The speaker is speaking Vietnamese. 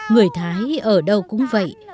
người thái ở đâu cũng vậy